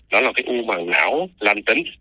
nó là cái u bằng não lành tính